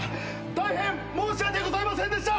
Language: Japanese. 大変申し訳ございませんでした！